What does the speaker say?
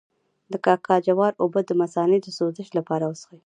د کاکل جوار اوبه د مثانې د سوزش لپاره وڅښئ